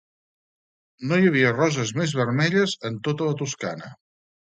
No hi havia roses més vermelles en tota la Toscana.